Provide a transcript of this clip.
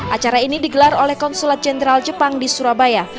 acara ini digelar oleh konsulat jenderal jepang di surabaya